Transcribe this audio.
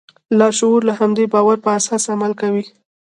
لاشعور د همدې باور پر اساس عمل کوي.